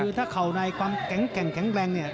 คือถ้าเข่าในความแข็งแกร่งแข็งแรงเนี่ย